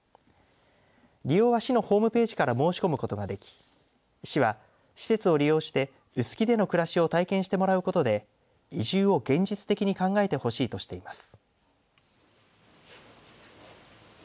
利用は、市のホームページから申し込むことができ市は施設を利用して臼杵での暮らしを体験してもらうことで移住を現実的に考えてほしいとしています。